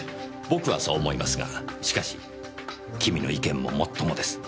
僕はそう思いますがしかし君の意見ももっともです。